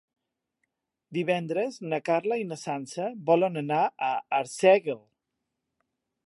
Divendres na Carla i na Sança volen anar a Arsèguel.